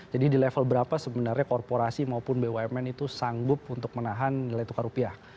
jadi di level berapa sebenarnya korporasi maupun bumn itu sanggup untuk menahan nilai tukar rupiah